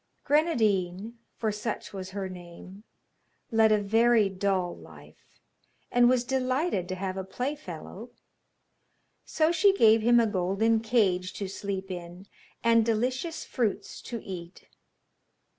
Grenadine, for such was her name, led a very dull life, and was delighted to have a playfellow, so she gave him a golden cage to sleep in, and delicious fruits to eat.